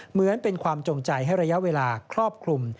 เหมือนเป็นความจงใจให้ระยะเวลาครอบคลุม